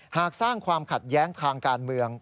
หากสร้างความขัดแย้งทางการเมือง